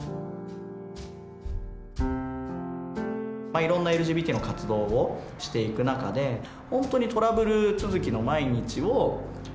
まあいろんなＬＧＢＴの活動をしていく中で本当にトラブル続きの毎日を何か共に越えてきた。